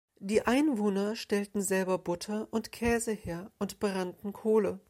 Die Einwohner stellten selber Butter und Käse her und brannten Kohle.